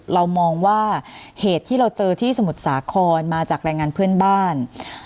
เรามองว่าเหตุที่เราเจอที่สมุทรสาครมาจากแรงงานเพื่อนบ้าน